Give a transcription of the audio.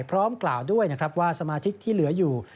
พร้อมกล่าวด้วยนะครับว่าสมาชิกที่เหลืออยู่